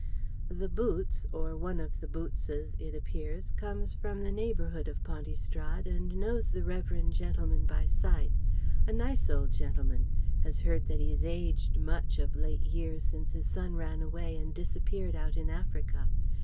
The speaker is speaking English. The "boots" or one of the "bootses," it appears, comes from the neighbourhood of Pontystrad and knows the reverend gentleman by sight a nice old gentleman has heard that he's aged much of late years since his son ran away and disappeared out in Africa.